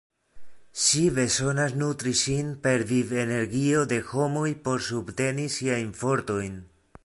Ŝi bezonas nutri sin per viv-energio de homoj por subteni siajn fortojn.